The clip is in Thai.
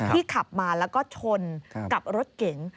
ขับมาแล้วก็ชนกับรถเก๋ง